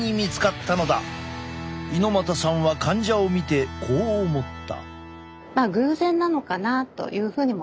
猪又さんは患者を見てこう思った。